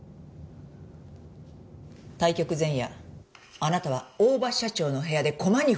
対局前夜あなたは大庭社長の部屋で駒に触れましたよね？